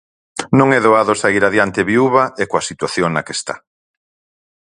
Non é doado saír adiante viúva e coa situación na que está.